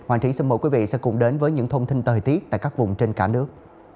hoàng trí xin mời quý vị sẽ cùng đến với những thông tin thời tiết tại các vùng trên cả nước